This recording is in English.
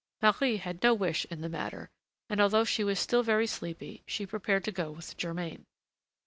Marie had no wish in the matter; and although she was still very sleepy, she prepared to go with Germain.